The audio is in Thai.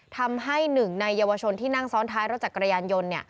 ทำให้หนึ่งในเยาวชนที่นั่งซ้อนท้ายรถจักรยานยนต์